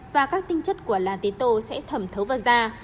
và các tinh chất của lá tế tô sẽ thẩm thấu vào da